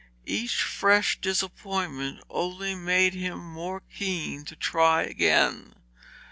Each fresh disappointment only made him more keen to try again.